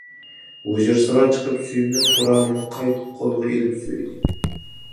ھۇجرىسىغا چىقىپ سۆيۈملۈك قورالىنى قايتا قولىغا ئېلىپ سۆيدى.